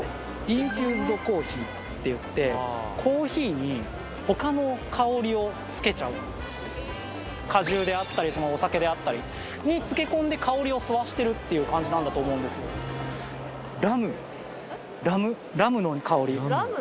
インフューズドコーヒーっていってコーヒーに他の香りをつけちゃう果汁であったりお酒であったりに漬け込んで香りを吸わしてるっていう感じなんだと思うんですようん？